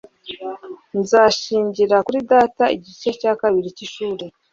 Nzashingira kuri data igice cya kabiri cy'ishuri.